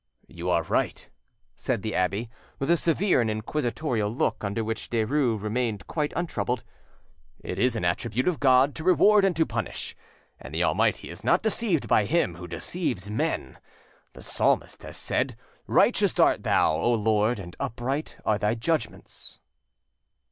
'" "You are right," said the abbe, with a severe and inquisitorial look, under which Derues remained quite untroubled; "it is an attribute of God to reward and to punish, and the Almighty is not deceived by him who deceives men. The Psalmist has said, 'Righteous art Thou, O Lord, and upright are Thy judgments.